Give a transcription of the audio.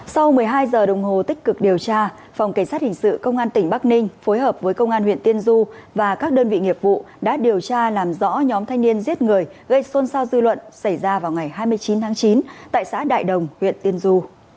sau một mươi hai giờ đồng hồ tích cực điều tra phòng cảnh sát hình sự công an tỉnh bắc ninh phối hợp với công an huyện tiên du và các đơn vị nghiệp vụ đã điều tra làm rõ nhóm thanh niên giết người gây xôn xao dư luận xảy ra vào ngày hai mươi chín tháng chín tại xã đại đồng huyện tiên du